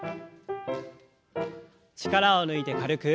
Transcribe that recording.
力を抜いて軽く。